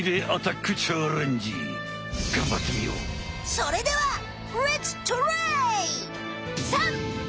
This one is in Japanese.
それではレッツトライ！